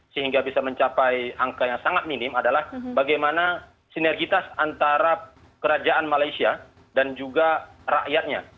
sehingga bisa mencapai angka yang sangat minim adalah bagaimana sinergitas antara kerajaan malaysia dan juga rakyatnya